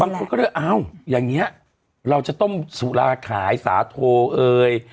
คนก็เลยอ้าวอย่างนี้เราจะต้มสุราขายสาโทเอ่ย